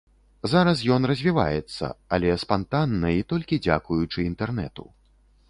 Зараз ён развіваецца, але спантанна і толькі дзякуючы інтэрнэту.